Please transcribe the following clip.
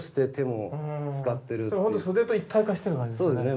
それほんと筆と一体化してる感じですよね。